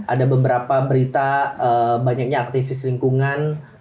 ada beberapa berita banyaknya aktivis lingkungan